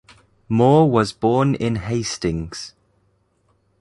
Moore was born in Hastings.